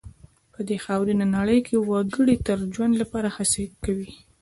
په دې خاورینه نړۍ کې وګړي د ژوند لپاره هڅې کوي.